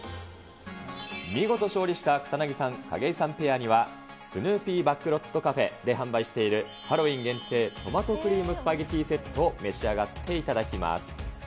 見事勝利した草薙さん・景井さんペアには、スヌーピー・バックロット・カフェで販売している、トマトクリーム・スパゲティセットを召し上がっていただきます。